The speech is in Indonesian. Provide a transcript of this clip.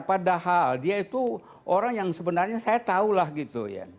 padahal dia itu orang yang sebenarnya saya tahu lah gitu ya